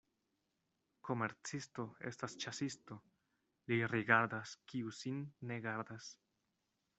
Komercisto estas ĉasisto, li rigardas, kiu sin ne gardas.